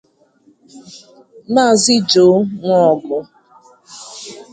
maazị Joe Nworgu